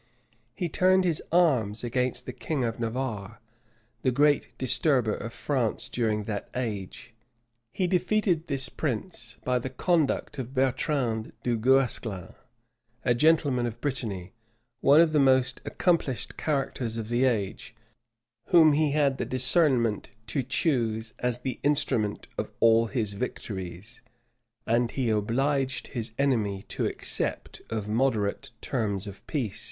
He turned his arms against the king of Navarre, the great disturber of France during that age; he defeated this prince by the conduct of Bertrand du Guesclin, a gentleman of Brittany, one of the most accomplished characters of the age, whom he had the discernment to choose as the instrument of all his victories:[] and he obliged his enemy to accept of moderate terms of peace.